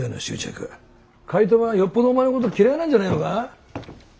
怪盗はよっぽどお前のこと嫌いなんじゃねえのか？